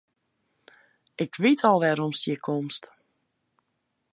Ik wit al wêrom ast hjir komst.